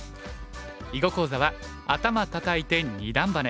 囲碁講座は「アタマたたいて二段バネ」。